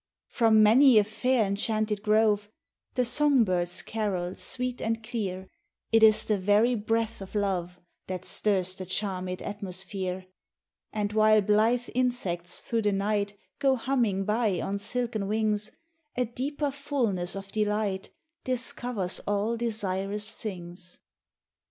From many a fair, enchanted grove The song birds carol sweet and clear, It is the very breath of love That stirs the charmed atmosphere ; 73 THE WELCOME And while blithe insects through the night Go humming by on silken wings, A deeper fulness of delight Discovers all desirous things.